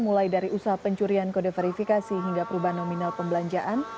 mulai dari usaha pencurian kode verifikasi hingga perubahan nominal pembelanjaan